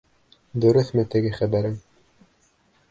Дөрөҫмө теге хәбәрең?